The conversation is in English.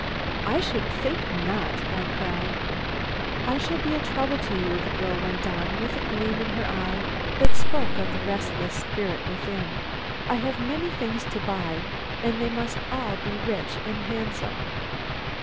"I should think not!" I cried. "I shall be a trouble to you," the girl went on, with a gleam in her eye that spoke of the restless spirit within. "I have many things to buy, and they must all be rich and handsome."